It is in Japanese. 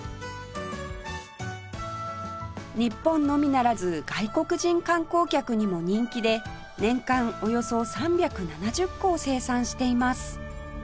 日本のみならず外国人観光客にも人気で年間およそ３７０個を生産しています